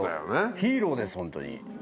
ヒーローですホントに。